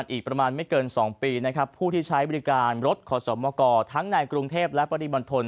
อีกประมาณไม่เกิน๒ปีนะครับผู้ที่ใช้บริการรถขอสมกรทั้งในกรุงเทพและปริมณฑล